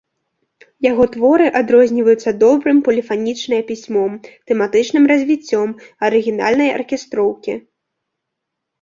Яго творы адрозніваюцца добрым поліфанічныя пісьмом, тэматычным развіццём, арыгінальнай аркестроўкі.